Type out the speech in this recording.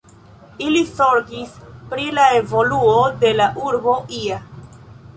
Ili zorgis pri la evoluo de la urbo ia.